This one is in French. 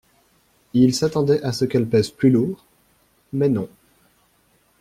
Il s’attendait à ce qu’elle pèse plus lourd, mais non...